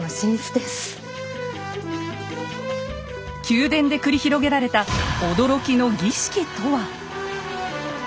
宮殿で繰り広げられた驚きの儀式とは。